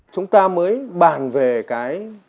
chúng ta mới bàn về cái